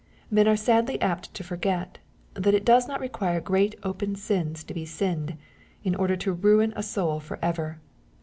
Men are sadly apt to forget, that it does not require great open sins to be sinned, in order to ruin a soul for ever.